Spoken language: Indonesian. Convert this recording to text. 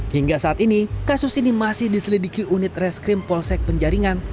hingga saat ini kasus ini masih diselidiki unit reskrim polsek penjaringan